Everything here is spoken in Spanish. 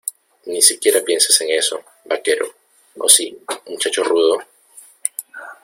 Ni siquiera pienses en eso, vaquero. ¿ O sí , muchacho rudo?